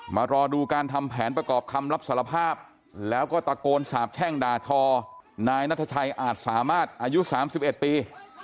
รอดูการทำแผนประกอบคำรับสารภาพแล้วก็ตะโกนสาบแช่งด่าทอนายนัทชัยอาจสามารถอายุ๓๑ปี